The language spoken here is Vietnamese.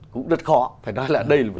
cũng rất khó phải nói là đây là một